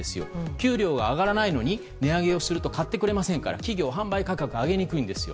給料は上がらないのに値上げをすると買ってくれませんから企業は販売価格を上げにくいんですよ。